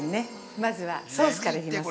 まずはソースからいきます。